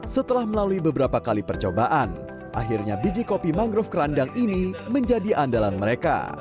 setelah melalui beberapa kali percobaan akhirnya biji kopi mangrove kerandang ini menjadi andalan mereka